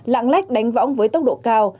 lạng lách đánh võng với tốc độ cao